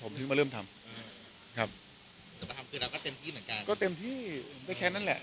ผมถึงมาเริ่มทำครับจะมาทำคือเราก็เต็มที่เหมือนกันก็เต็มที่ก็แค่นั้นแหละ